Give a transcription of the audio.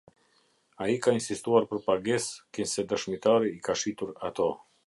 Ai ka insistuar për pagesë kinse dëshmitari i ka shitur ato.